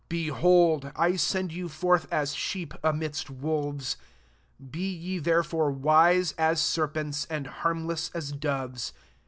16 « Behold, I send you forth as sheep amidst wolves : be ye therefore wise as serpents, and harmless as doves.